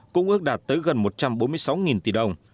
cũng ước đạt tới gần một trăm bốn mươi sáu tỷ đồng